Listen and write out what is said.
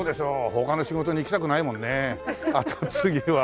他の仕事に行きたくないもんね。後継ぎは。